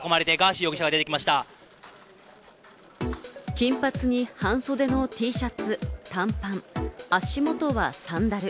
金髪に半袖のＴシャツ、短パン、足元はサンダル。